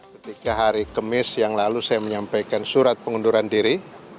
ketika hari kemis yang lalu saya menyampaikan surat pengunduran diri